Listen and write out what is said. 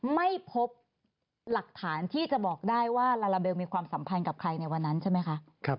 ไม่พบหลักฐานที่จะบอกได้ว่าลาลาเบลมีความสัมพันธ์กับใครในวันนั้นใช่ไหมคะ